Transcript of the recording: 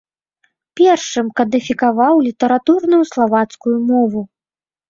Першым кадыфікаваў літаратурную славацкую мову.